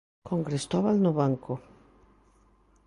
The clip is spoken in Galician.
Con Cristóbal no banco.